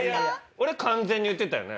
俺完全に言ってたよね？